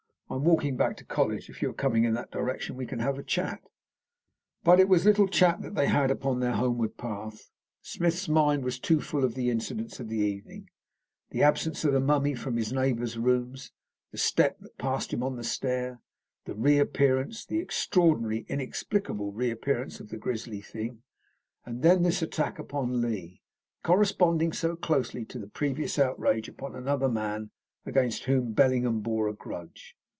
I am walking back to college; if you are coming in that direction, we can have a chat." But it was little chat that they had upon their homeward path. Smith's mind was too full of the incidents of the evening, the absence of the mummy from his neighbour's rooms, the step that passed him on the stair, the reappearance the extraordinary, inexplicable reappearance of the grisly thing and then this attack upon Lee, corresponding so closely to the previous outrage upon another man against whom Bellingham bore a grudge.